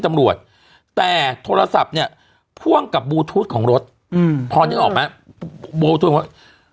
ตำรวจแต่โทรศัพท์เนี้ยพ่วงกับบูทูธของรถอืมพอยังออกมาบูทูธ